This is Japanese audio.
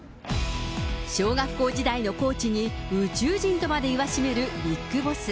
小学校時代のコーチに宇宙人とまで言わしめるビッグボス。